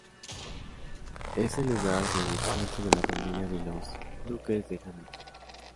Es el lugar de descanso de la familia de los duques de Hamilton.